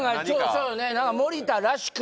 そうね